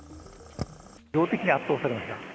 量的に圧倒されました。